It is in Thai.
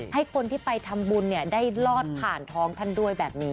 ให้คนที่ไปทำบุญได้ลอดผ่านท้องท่านด้วยแบบนี้